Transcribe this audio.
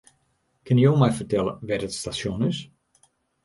Kinne jo my fertelle wêr't it stasjon is?